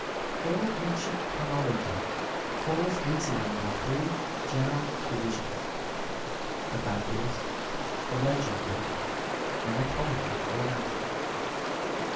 All ancient chronology falls easily into three general divisions: the fabulous, the legendary, and the probable or natural.